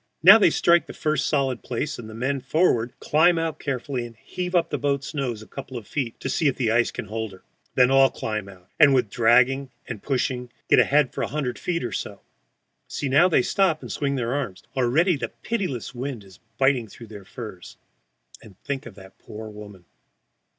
Now they strike the first solid place, and the men forward climb out carefully and heave up the boat's nose a couple of feet to see if the ice will hold her. Then all climb out, and with dragging and pushing get ahead for a hundred feet or so. See, now they stop and swing their arms! Already the pitiless wind is biting through their furs. And think of that poor woman!